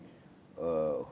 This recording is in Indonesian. jika mengambil alih